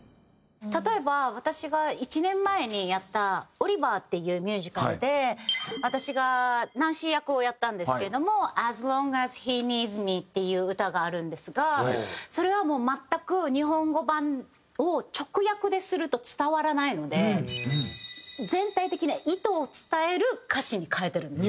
例えば私が１年前にやった『オリバー！』っていうミュージカルで私がナンシー役をやったんですけれども『ＡＳＬＯＮＧＡＳＨＥＮＥＥＤＳＭＥ』っていう歌があるんですがそれはもう全く日本語版を直訳ですると伝わらないので全体的な意図を伝える歌詞に変えてるんですよ。